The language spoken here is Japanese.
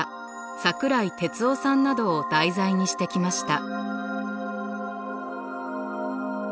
桜井哲夫さんなどを題材にしてきました。